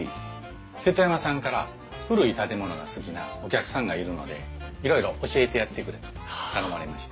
瀬戸山さんから古い建物が好きなお客さんがいるのでいろいろ教えてやってくれと頼まれまして。